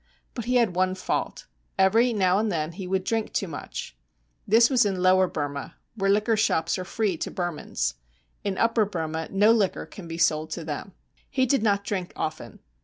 But he had one fault: every now and then he would drink too much. This was in Lower Burma, where liquor shops are free to Burmans. In Upper Burma no liquor can be sold to them. He did not drink often.